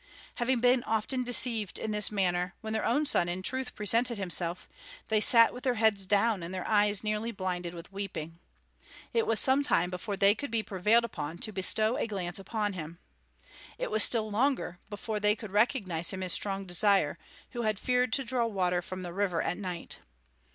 Having been often deceived in this manner, when their own son in truth presented himself, they sat with their heads down and their eyes nearly blinded with weeping. It was some time before they could be prevailed upon to bestow a glance upon him. It was still longer before they could recognize him as Strong Desire, who had feared to draw water from the river at night.